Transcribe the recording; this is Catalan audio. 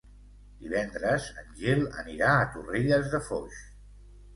Divendres en Gil anirà a Torrelles de Foix.